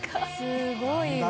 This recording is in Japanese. すごいわ。